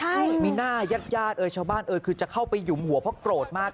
ใช่มีหน้ายาดชาวบ้านคือจะเข้าไปหยุมหัวเพราะโกรธมาก